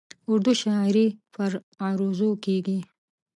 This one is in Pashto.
اردو شاعري پر عروضو کېږي.